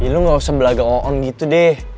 lu gak usah belagang on gitu deh